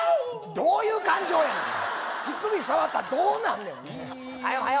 どういう感情やねん乳首触ったらどうなんねんイイはよはよ